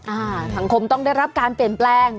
อ่าสังคมต้องได้รับการเปลี่ยนแปลง